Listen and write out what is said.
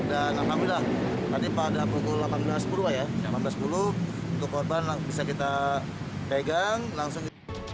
dan apabila tadi pada pukul delapan belas sepuluh ya enam belas sepuluh untuk korban bisa kita pegang langsung